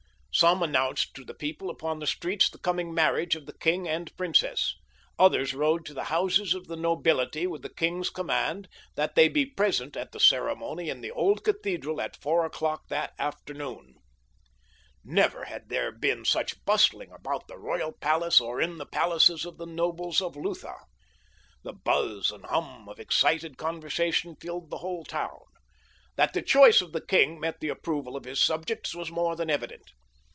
Some announced to the people upon the streets the coming marriage of the king and princess. Others rode to the houses of the nobility with the king's command that they be present at the ceremony in the old cathedral at four o'clock that afternoon. Never had there been such bustling about the royal palace or in the palaces of the nobles of Lutha. The buzz and hum of excited conversation filled the whole town. That the choice of the king met the approval of his subjects was more than evident.